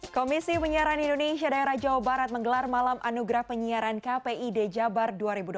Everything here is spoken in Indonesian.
komisi penyiaran indonesia daerah jawa barat menggelar malam anugerah penyiaran kpid jabar dua ribu dua puluh